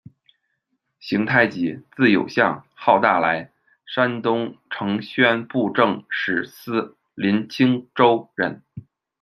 邢泰吉，字有象，号大来，山东承宣布政使司临清州人。